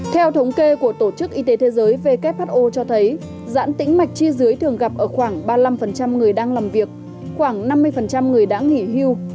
theo thống kê của tổ chức y tế thế giới who cho thấy giãn tính mạch chi dưới thường gặp ở khoảng ba mươi năm người đang làm việc khoảng năm mươi người đã nghỉ hưu